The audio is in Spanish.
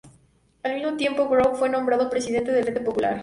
Al mismo tiempo Grove fue nombrado presidente del Frente Popular.